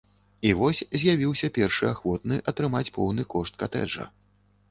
І вось з'явіўся першы ахвотны атрымаць поўны кошт катэджа.